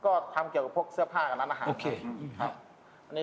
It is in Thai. ก็ทำเกี่ยวกับเสื้อผ้าของร้านอาหารครับ